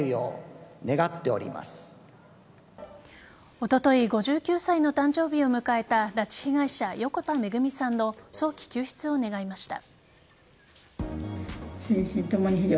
おととい５９歳の誕生日を迎えた拉致被害者・横田めぐみさんの早期救出を願いました。